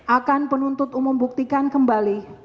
akan penuntut umum buktikan kembali